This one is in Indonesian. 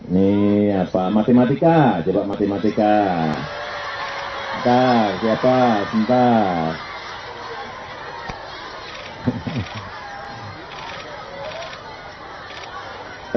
nih apa matematika coba matematika hai tak siapa cinta